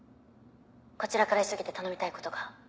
こちらから急ぎで頼みたいことが。